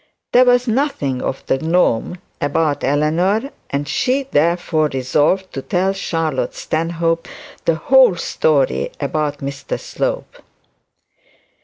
There was nothing of the gnome about Eleanor; and she therefore resolved to tell Charlotte Stanhope the whole story about Mr Slope.